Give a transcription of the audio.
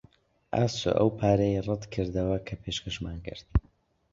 ئاسۆ ئەو پارەیەی ڕەت کردەوە کە پێشکەشمان کرد.